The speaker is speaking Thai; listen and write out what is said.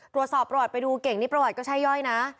ตรวจสอบประวัติไปดูเก่งนี่ประวัติก็ใช่ย่อยนะ